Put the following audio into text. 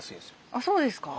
あっそうですか。